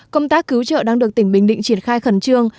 công tác cứu trợ đang được tỉnh bình định triển khai khẩn trương